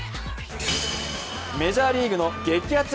メジャーリーグの激アツ